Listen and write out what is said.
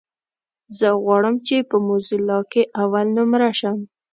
زه غواړم چې په موزيلا کې اولنومره شم.